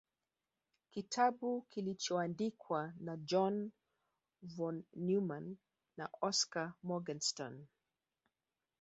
Kitabu kilichoandikwa na John von Neumann na Oskar Morgenstern